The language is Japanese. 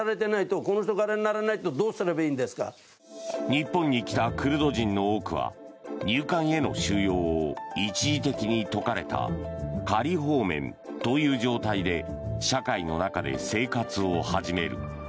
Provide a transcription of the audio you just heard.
日本に来たクルド人の多くは入管への収容を一時的に解かれた仮放免という状態で社会の中で生活を始める。